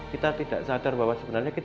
kita tidak sadar bahwa sebenarnya kita